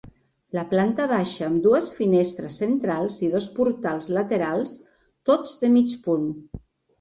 La planta baixa amb dues finestres centrals i dos portals laterals, tots de mig punt.